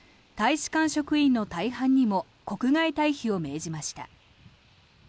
大使館職員の大半にも国外退避を命じました。